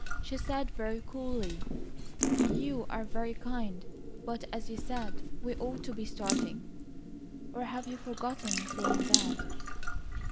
She said very coolly: "You are very kind, but as you said, we ought to be starting,—or have you forgotten saying that?"